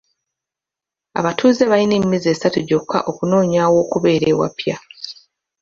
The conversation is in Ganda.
Abatuuze balina emyezi esatu gyokka okunoonya aw'okubeera ewapya.